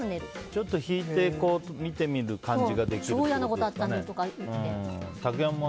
ちょっと引いて見てみる感じができるんですかね。